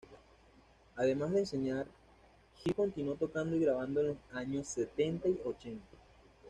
Además de enseñar, Hill continuó tocando y grabando en los años setenta y ochenta.